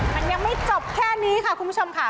มันยังไม่จบแค่นี้ค่ะคุณผู้ชมค่ะ